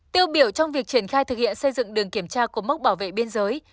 tiêu biểu trong việc triển khai thực hiện xây dựng đường kiểm tra cột mốc bảo vệ biên giới